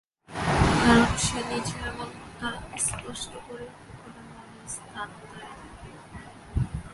কারণ, সে নিজেও এমন কথা স্পষ্ট করিয়া কখনো মনে স্থান দেয় নাই।